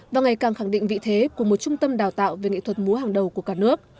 và ngày càng khẳng định vị thế của một trung tâm đào tạo về nghệ thuật múa hàng đầu của cả nước